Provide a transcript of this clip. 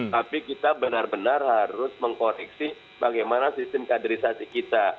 tapi kita benar benar harus mengkoreksi bagaimana sistem kaderisasi kita